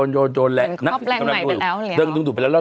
เขาแปลงใหม่ไปแล้วหรืออย่างนี้หรือ